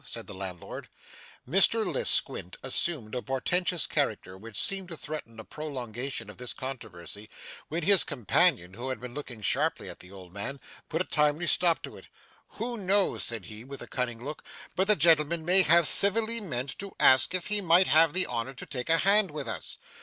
said the landlord. Mr List's squint assumed a portentous character, which seemed to threaten a prolongation of this controversy, when his companion, who had been looking sharply at the old man, put a timely stop to it. 'Who knows,' said he, with a cunning look, 'but the gentleman may have civilly meant to ask if he might have the honour to take a hand with us!